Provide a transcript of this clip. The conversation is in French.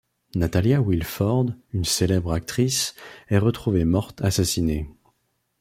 Natalia Wilford, une célèbre actrice, est retrouvée morte assassinée.